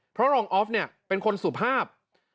เพราะรองออฟเป็นคนสุภาพ